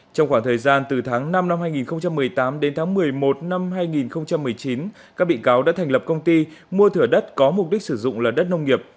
trong khoảng thời gian từ tháng năm năm hai nghìn một mươi tám đến tháng một mươi một năm hai nghìn một mươi chín các bị cáo đã thành lập công ty mua thửa đất có mục đích sử dụng là đất nông nghiệp